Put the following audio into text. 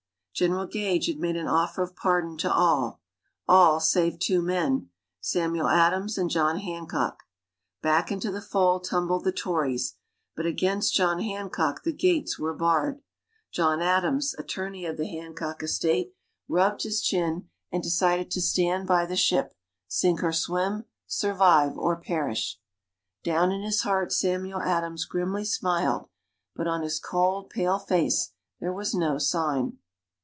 General Gage had made an offer of pardon to all all, save two men: Samuel Adams and John Hancock. Back into the fold tumbled the Tories, but against John Hancock the gates were barred. John Adams, Attorney of the Hancock estate, rubbed his chin, and decided to stand by the ship sink or swim, survive or perish. Down in his heart Samuel Adams grimly smiled, but on his cold, pale face there was no sign.